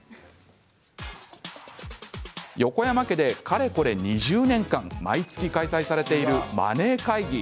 横山家でかれこれ２０年間毎月、開催されているマネー会議。